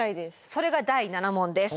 それが第７問です。